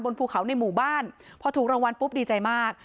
ภูเขาในหมู่บ้านพอถูกรางวัลปุ๊บดีใจมาก